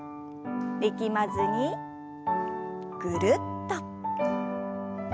力まずにぐるっと。